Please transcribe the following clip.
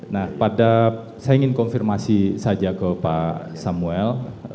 nah pada saya ingin konfirmasi saja ke pak samuel